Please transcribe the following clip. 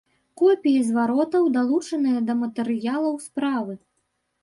Копіі зваротаў далучаныя да матэрыялаў справы.